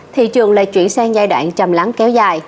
thị trường lại chuyển sang giai đoạn chầm lắng kéo dài